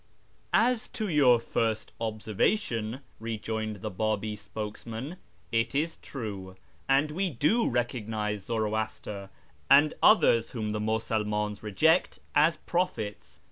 "As to your first observation," rejoined the Biibi spokes an, " it is true, and we do recognise Zoroaster, and others hom the Musulmans reject, as prophets.